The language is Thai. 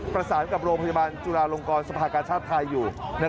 ประสานกับโรงพยาบาลจุฬาลงกรสภากาชาติไทยอยู่